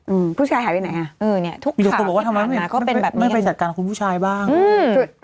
อืมผู้ชายหายไปไหนอ่ะเออเนี่ยทุกข่าวมีคนบอกว่าทำไมไม่ไปจัดการคุณผู้ชายบ้าง